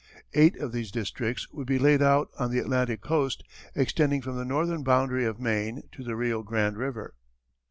Eight of these districts would be laid out on the Atlantic Coast extending from the northern boundary of Maine to the Rio Grande River.